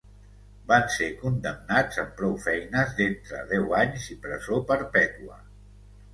Van ser condemnats amb prou feines d'entre deu anys i presó perpètua.